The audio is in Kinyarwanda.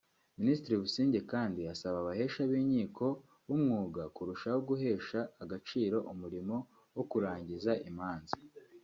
Minisitiri Busingye kandi asaba abahesha b’inkiko b’Umwuga kurushaho guhesha agaciro umurimo wo kurangiza imanza